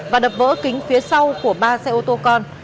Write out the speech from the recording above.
và đập vỡ kính phía sau của ba xe ô tô con